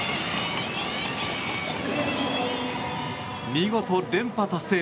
見事、連覇達成。